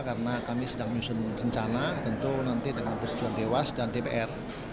karena kami sedang menyusun rencana tentu nanti dengan persetujuan dewas dan dpr